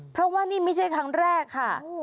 เพราะว่านี่ไม่ใช่ครั้งแรกค่ะ